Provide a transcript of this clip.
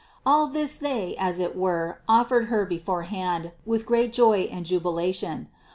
All this they as it were offered Her beforehand, with great joy and jubilation.